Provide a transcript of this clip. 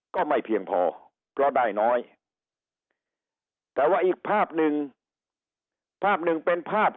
เงินที่ได้มาเอาไปซื้อบ้านใหม่